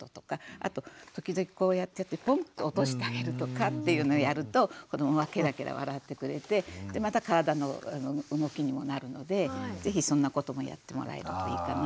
あと時々こうやってポンッと落としてあげるとかっていうのをやると子どもはケラケラ笑ってくれてでまた体の動きにもなるので是非そんなこともやってもらえるといいかなと思います。